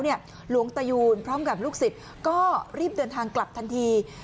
หลวงตะยูนพร้อมกับลูกศิษย์ก็รีบเดินทางกลับทันที